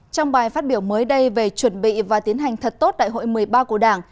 trong bài phát biểu mới đây về chuẩn bị và tiến hành thật tốt đại hội một mươi ba của đảng